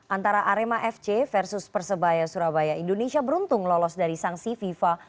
antara arema fc versus persebaya surabaya indonesia beruntung lolos dari sanksi fifa